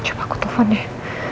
coba aku telepon deh